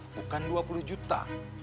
bukan dua puluh juta